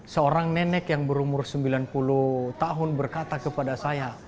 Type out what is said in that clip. seorang nenek yang berumur sembilan puluh tahun berkata kepada saya